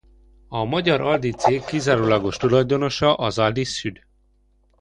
A magyar Aldi cég kizárólagos tulajdonosa az Aldi Süd.